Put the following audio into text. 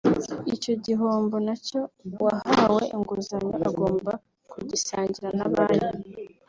icyo gihombo na cyo uwahawe inguzanyo agomba kugisangira na banki